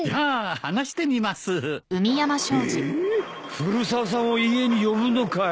古沢さんを家に呼ぶのかい？